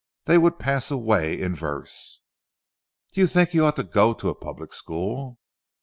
They would pass away in verse." "Do you think he ought to go to a public school?"